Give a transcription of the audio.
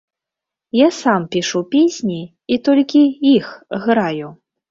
Я сам пішу песні і толькі іх граю.